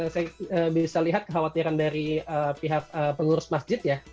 saya bisa lihat kekhawatiran dari pihak pengurus masjid ya